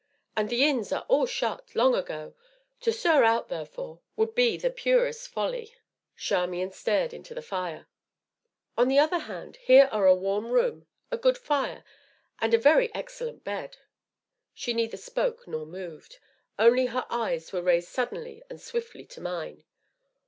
"And the inns are all shut, long ago; to stir out, therefore, would be the purest folly." Charmian stared into the fire. "On the other hand, here are a warm room, a good fire, and a very excellent bed." She neither spoke nor moved, only her eyes were raised suddenly and swiftly to mine.